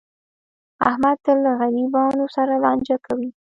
احمد تل له غریبانو سره لانجه کوي.